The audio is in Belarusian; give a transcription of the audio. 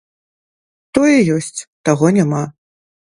Тое ёсць, таго няма.